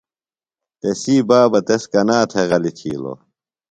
تسی بابہ تس کنا تھےۡ غلیۡ تھِیلو؟